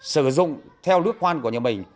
sử dụng theo nước khoan của nhà mình